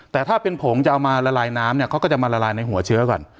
แต่ถ้าเป็นผงจะเอามาละลายน้ำเนี่ยเขาก็จะมาละลายในหัวเชื้อก่อน